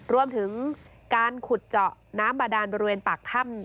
รวมถึงการขุดเจาะน้ำบาดานบริเวณปากถ้ำ